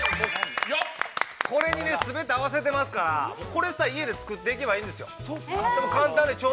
これに全て合わせてますから、これ、家で作っていけばいいんですよ。